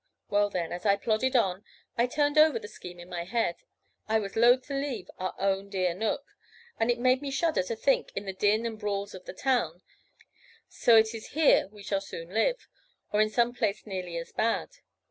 Well then, as I plodded on, I turned over the scheme in my head. I was loath to leave our own dear nook, and it made me shudder to think, in the din and brawls of the town, 'So it is here we shall soon live, or in some place nearly as bad!'